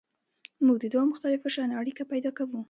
موږ د دوو مختلفو شیانو اړیکه پیدا کوو.